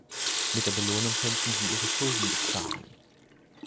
Mit der Belohnung könnten sie ihre Schulden bezahlen.